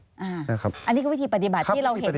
อันนี้คือวิธีปฏิบัติที่เราเห็น